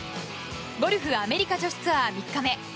ゴルフアメリカ女子ツアー３日目。